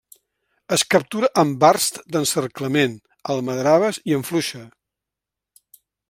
Es captura amb arts d'encerclament, almadraves i amb fluixa.